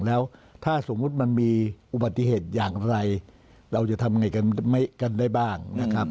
แล้วถ้าสมมุติมันมีอุบัติเหตุอย่างไรเราจะทำไงกันได้บ้างนะครับ